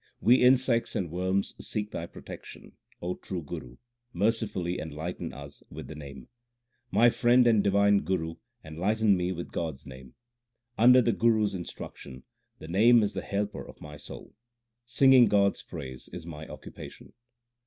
We insects and worms seek thy protection, O true Guru ; mercifully enlighten us with the Name ; My friend and divine Guru, enlighten me with God s name. THE RAHIRAS 253 Under the Guru s instruction, the Name is the helper of my soul ; singing God s praises is my occupation.